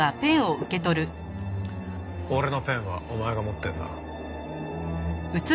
俺のペンはお前が持ってるな？